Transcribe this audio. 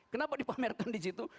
kenapa dipamerkan di situ